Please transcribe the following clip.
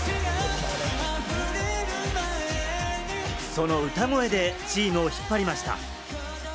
その歌声でチームを引っ張りました。